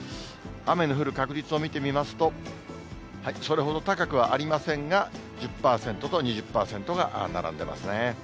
雨の降る確率を見てみますと、それほど高くはありませんが、１０％と２０％が並んでますね。